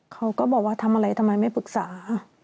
เขาก็บอกว่าทำอะไรทำไมไม่ปรึกษา